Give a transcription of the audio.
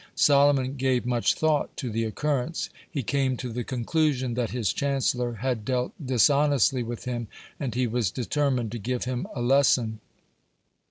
Solomon gave much thought to the occurrence. He came to the conclusion that his chancellor had dealt dishonestly with him, and he was determined to give him a lesson.